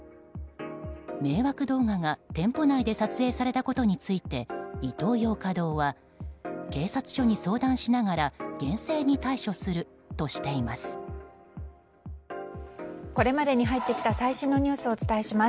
迷惑動画が店舗内で撮影されたことについてイトーヨーカ堂は警察署に相談しながら厳正に対処するとしています。